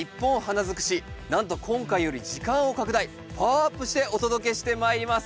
なんと今回より時間を拡大パワーアップしてお届けしてまいります。